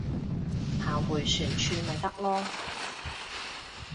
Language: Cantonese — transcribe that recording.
行迴旋處咪得囉